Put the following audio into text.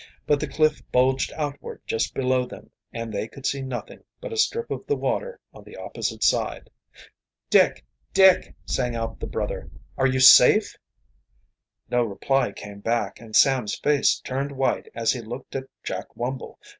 But the cliff bulged outward just below them and they could see nothing but a strip of the water on the opposite side. "Dick! Dick!" sang out the brother. "Are you safe?" No reply came back, and Sam's face turned white as he looked at Jack Wumble.